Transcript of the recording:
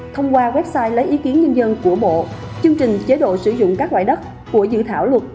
thông qua website lấy ý kiến nhân dân của bộ chương trình chế độ sử dụng các loại đất của dự thảo luật